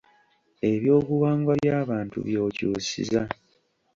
Ebyobuwangwa by’abantu b’okyusiza